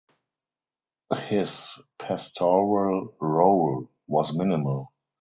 His pastoral role was minimal.